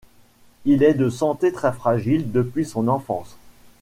Il est de santé très fragile depuis son enfance.